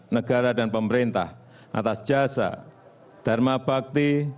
negara dan pemerintah atas jasa dharma bakti